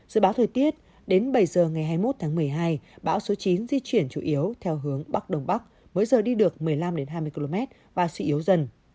dự báo thời tiết đến bảy giờ ngày hai mươi một tháng một mươi hai bão số chín di chuyển chủ yếu theo hướng bắc đông bắc mỗi giờ đi được một mươi năm hai mươi km và suy yếu dần